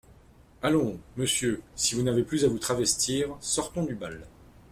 Allons, monsieur, si vous n'avez plus à vous travestir, sortons du bal.